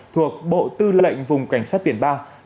thuộc bộ tư lệnh vùng cảnh sát biển ba